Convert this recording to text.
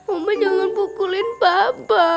oma jangan pukulin papa